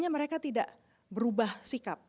mereka tidak berubah sikap